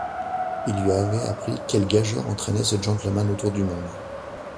Il lui avait appris quelle gageure entraînait ce gentleman autour du monde.